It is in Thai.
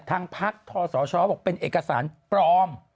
ทางพักทศชบอกเป็นเอกสารปลอม